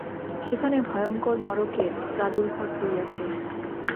সেখানে ভয়ংকর মড়কের প্রাদুর্ভাব হইয়াছে।